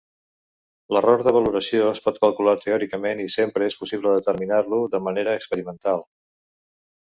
L'error de valoració es pot calcular teòricament i sempre és possible determinar-lo de manera experimental.